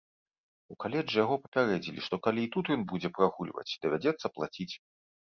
У каледжы яго папярэдзілі, што калі і тут ён будзе прагульваць, давядзецца плаціць.